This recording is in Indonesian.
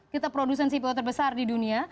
kita produsen cpo terbesar di dunia